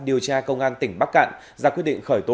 điều tra công an tỉnh bắc cạn ra quyết định khởi tố